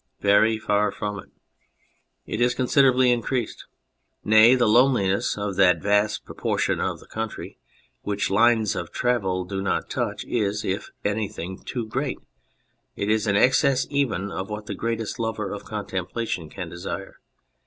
Very far from it. It is considerably increased. Nay, the loneliness of that vast proportion of the county which lines of travel do not touch is, if anything, too great it is in excess even of what the greatest lover of contemplation can desire.